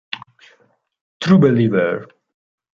True Believer